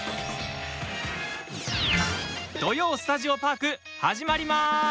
「土曜スタジオパーク」始まりまーす！